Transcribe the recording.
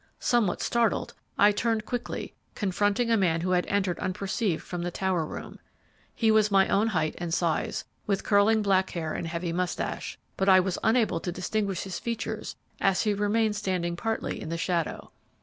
Somewhat startled, I turned quickly, confronting a man who had entered unperceived from the tower room. He was my own height and size, with curling black hair and heavy mustache, but I was unable to distinguish his features as he remained standing partly in the shadow.